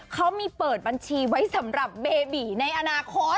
เขามีเปิดบัญชีไว้สำหรับเบบีในอนาคต